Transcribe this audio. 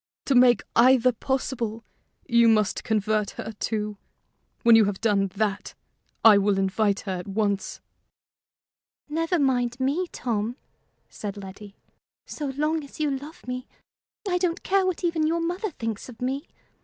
To make either possible, you must convert her, too. When you have done that, I will invite her at once." "Never mind me, Tom," said Letty. "So long as you love me, I don't care what even your mother thinks of me.